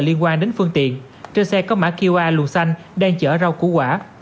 liên quan đến phương tiện trên xe có mã qr xanh đang chở rau củ quả